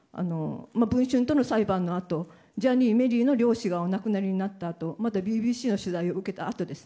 「文春」との裁判のあとジャニー、メリーの両氏がお亡くなりになったあとまた、ＢＢＣの取材を受けたあと。